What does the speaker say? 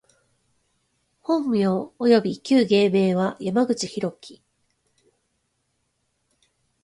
本名および旧芸名は、山口大樹（やまぐちひろき）